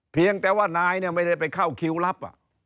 เพียงแต่ว่านายเนี่ยไม่ได้ไปเข้าคิวรับ